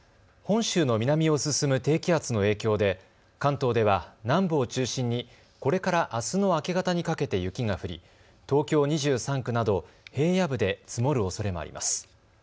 本州の南を進む低気圧の影響で関東では南部を中心にこれからあすの明け方にかけて雪が降り東京２３区など平野部で積もるおそれもあります。